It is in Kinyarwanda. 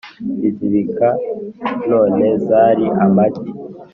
Izibika none zari amagi